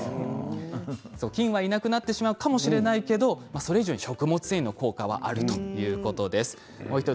菌はいなくなってしまうかもしれないけどそれ以上に食物繊維の効果はあるということです。